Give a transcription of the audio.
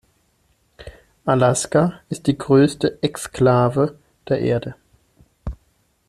Alaska ist die größte Exklave der Erde.